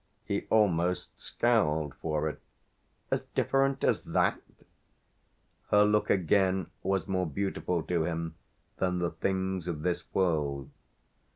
He almost scowled for it. "As different as that ?" Her look again was more beautiful to him than the things of this world.